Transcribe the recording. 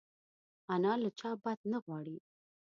انا له چا بد نه غواړي